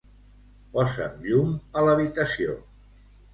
Posa'm llum a l'habitació.